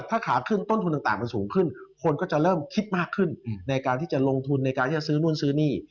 ถ้าขาขึ้นต้นทุนต่างมันสูงขึ้นคนก็จะเริ่มคิดมากขึ้นในการที่จะลงทุนในการที่จะซื้อนู่นซื้อนี่